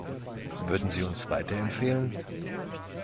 Würden Sie uns weiterempfehlen?